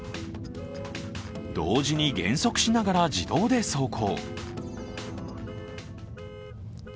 同時に減速しながら自動で走行。